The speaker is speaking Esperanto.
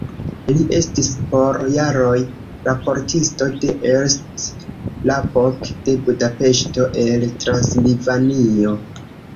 Li estis por jaroj raportisto de "Est Lapok" de Budapeŝto el Transilvanio.